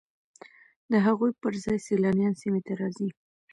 د هغوی پر ځای سیلانیان سیمې ته راځي